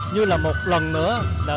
như là một lần nữa